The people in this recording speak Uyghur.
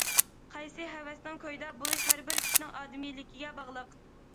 قايسى ھەۋەسنىڭ كويىدا بولۇش ھەر بىر كىشىنىڭ ئادىمىيلىكىگە باغلىق.